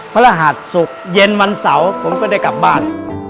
พระรหัสศุกร์เย็นวันเสาร์ผมก็ได้กลับบ้าน